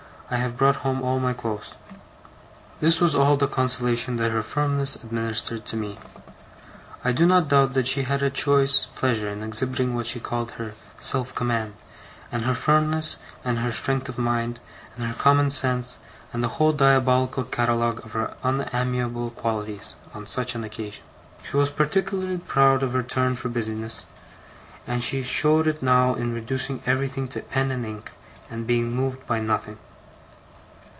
I have brought home all my clothes.' This was all the consolation that her firmness administered to me. I do not doubt that she had a choice pleasure in exhibiting what she called her self command, and her firmness, and her strength of mind, and her common sense, and the whole diabolical catalogue of her unamiable qualities, on such an occasion. She was particularly proud of her turn for business; and she showed it now in reducing everything to pen and ink, and being moved by nothing.